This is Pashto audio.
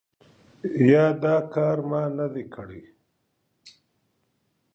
یا دا کار ما نه دی کړی ؟